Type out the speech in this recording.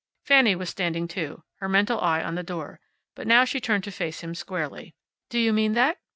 Fanny was standing too, her mental eye on the door. But now she turned to face him squarely. "Do you mean that?"